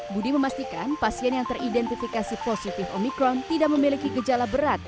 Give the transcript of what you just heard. budi memastikan pasien yang teridentifikasi positif omikron tidak memiliki gejala berat